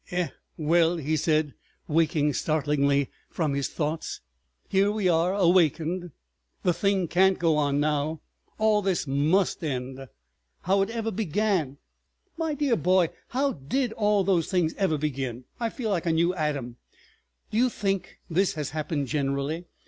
"Eh, well," he said, waking startlingly from his thoughts. "Here we are awakened! The thing can't go on now; all this must end. How it ever began———! My dear boy, how did all those things ever begin? I feel like a new Adam. ... Do you think this has happened—generally?